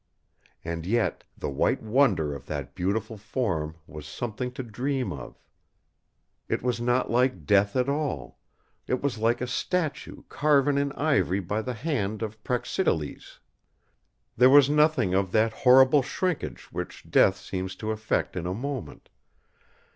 And yet the white wonder of that beautiful form was something to dream of. It was not like death at all; it was like a statue carven in ivory by the hand of a Praxiteles. There was nothing of that horrible shrinkage which death seems to effect in a moment.